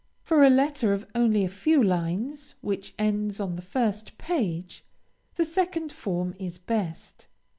For a letter of only a few lines, which ends on the first page, the second form is best.